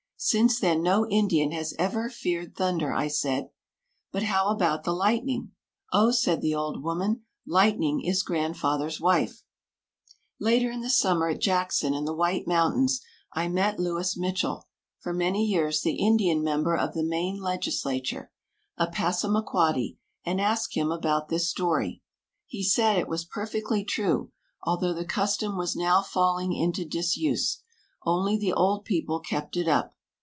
Since then no Indian has ever feared thunder." I said, "But how about the lightning?" "Oh," said the old woman, "lightning is grandfather's wife." Later in the summer, at Jackson, in the White Mountains, I met Louis Mitchell, for many years the Indian member of the Maine Legislature, a Passamaquoddy, and asked him about this story. He said it was perfectly true, although the custom was now falling into disuse; only the old people kept it up.